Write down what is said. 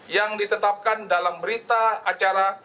yang ditetapkan dalam berita acara